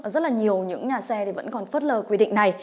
rất là nhiều những nhà xe thì vẫn còn phớt lờ quy định này